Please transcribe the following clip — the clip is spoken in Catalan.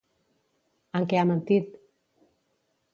En què ha mentit?